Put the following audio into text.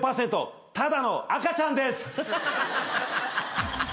ただの赤ちゃんです！